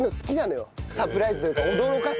サプライズというか驚かすのが。